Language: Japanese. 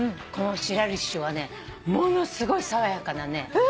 このシラユリ師匠はねものすごい爽やかなね。